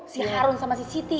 si harun sama si siti